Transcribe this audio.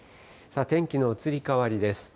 天気の移り変わりです。